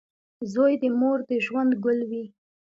• زوی د مور د ژوند ګل وي.